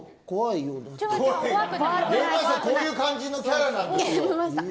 こういう感じのキャラなんですよ。